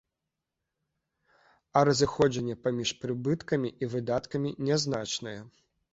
А разыходжанне паміж прыбыткамі і выдаткамі нязначныя.